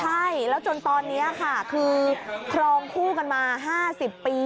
ใช่แล้วจนตอนนี้ค่ะคือครองคู่กันมา๕๐ปี